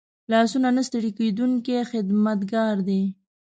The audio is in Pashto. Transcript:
لاسونه نه ستړي کېدونکي خدمتګار دي